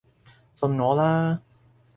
信我啦